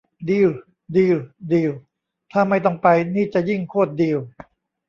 ดีล ดีล ดีลถ้าไม่ต้องไป นี่จะยิ่งโคตรดีล